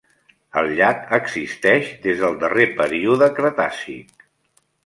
El llac existeix des del darrer període Cretàcic.